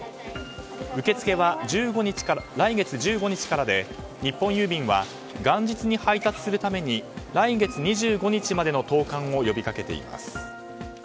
受け付けは来月１５日からで日本郵便は元日に配達するために来月２５日までの投函を呼び掛けています。